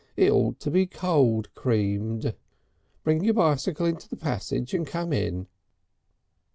It ought to be cold creamed. Bring your bicycle into the passage and come in."